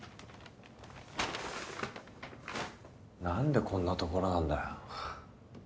なんでこんなところなんだよ。